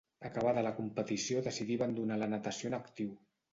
Acabada la competició decidí abandonar la natació en actiu.